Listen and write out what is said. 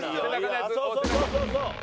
そうそうそうそうそう。